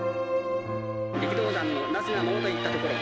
力道山のなすがままといったところ。